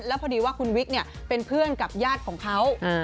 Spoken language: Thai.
แล้วพอดีว่าคุณวิกเป็นเพื่อนกับญาติของเขา